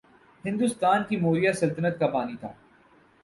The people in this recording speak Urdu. ہندوستان کی موریا سلطنت کا بانی تھا